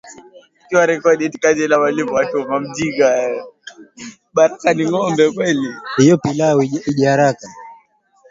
zinahitaji kuchunguzwa na wale wenye hatia wawajibishwe